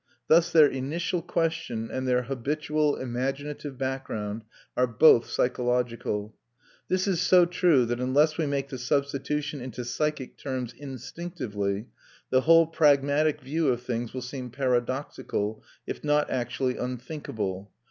Thus their initial question and their habitual imaginative background are both psychological." This is so true that unless we make the substitution into psychic terms instinctively, the whole pragmatic view of things will seem paradoxical, if not actually unthinkable.